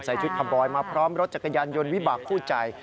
ชุดคาบอยมาพร้อมรถจักรยานยนต์วิบากคู่ใจ